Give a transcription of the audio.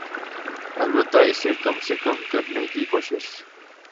البتہ اسے کم سے کم کرنے کی کوششیں